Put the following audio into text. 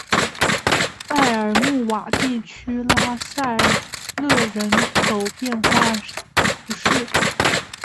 埃尔穆瓦地区拉塞勒人口变化图示